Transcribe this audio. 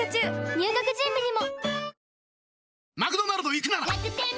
入学準備にも！